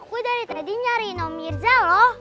aku dari tadi nyariin om mirza loh